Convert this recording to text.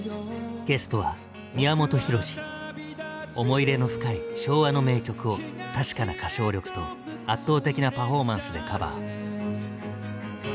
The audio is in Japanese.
思い入れの深い「昭和の名曲」を確かな歌唱力と圧倒的なパフォーマンスでカバー。